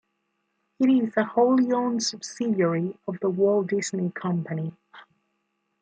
It is a wholly owned subsidiary of The Walt Disney Company.